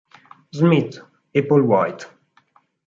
Smith, e Paul White.